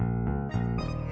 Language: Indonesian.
emanya udah pulang kok